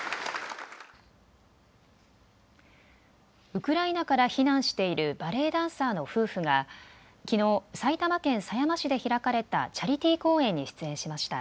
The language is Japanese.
ウクライナから避難しているバレエダンサーの夫婦がきのう埼玉県狭山市で開かれたチャリティー公演に出演しました。